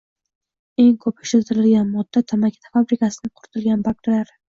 Eng ko'p ishlatiladigan modda - tamaki fabrikasining quritilgan barglari.